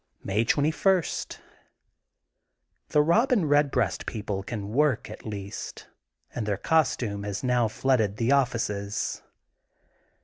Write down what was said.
May 21 :— The Eobin Eedbreast people can work, at least, and their costume has now flooded the oflSces.